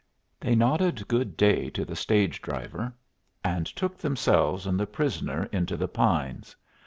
They nodded good day to the stage driver, and took themselves and the prisoner into the pines.